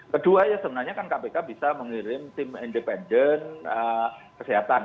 kedua ya sebenarnya kan kpk bisa mengirim tim independen kesehatan